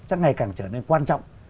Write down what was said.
chắc ngày càng trở nên quan trọng